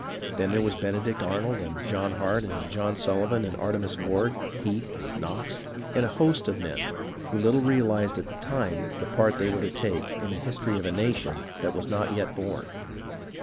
Then there was Benedict Arnold and John Hart and John Sullivan and Artemas Ward, Heath, Knox, and a host of men who little realized at the time the part they were to take in the history of a nation that was not yet born.